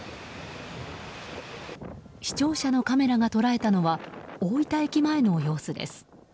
視聴者のカメラが捉えたのは大分駅前の様子です。